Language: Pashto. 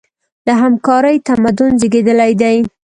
له همکارۍ تمدن زېږېدلی دی.